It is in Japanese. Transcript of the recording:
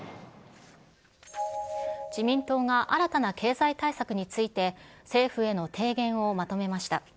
自民党が新たな経済対策について、政府への提言をまとめました。